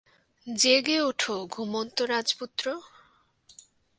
জেগে ওঠো, ঘুমন্ত রাজপুত্র!